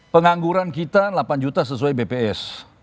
pengangguran kita delapan juta sesuai bps